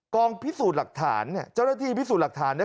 กองพิสูจน์หลักฐานเนี่ยเจ้าหน้าที่พิสูจน์หลักฐานเนี่ย